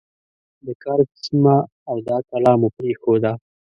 د کرز سیمه او دا کلا مو پرېښوده.